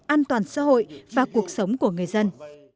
an toàn xã hội và cuộc sống của người dân